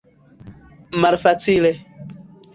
malfacile